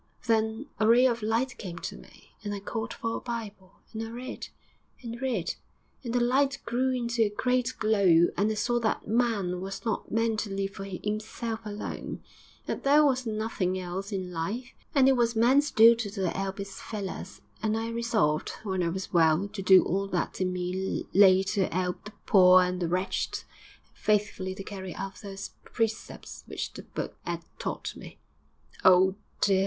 Then a ray of light came to me, and I called for a Bible, and I read, and read; and the light grew into a great glow, and I saw that man was not meant to live for 'imself alone; that there was something else in life, that it was man's duty to 'elp his fellers; and I resolved, when I was well, to do all that in me lay to 'elp the poor and the wretched, and faithfully to carry out those precepts which the Book 'ad taught me.' 'Oh, dear!